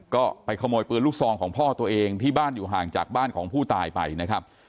ก็ไปขโมยปืนลูกซองของพ่อตัวเองที่บ้านอยู่ห่างจากบ้านของผู้ตายไปนะครับ